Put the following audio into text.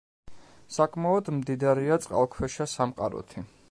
საკმაოდ მდიდარია წყალქვეშა სამყაროთი.